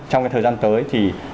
trong cái thời gian tới